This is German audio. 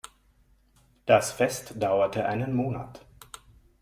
Das Fest dauerte einen Monat.